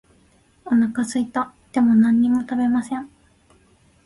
お腹すいた。でも何も食べません。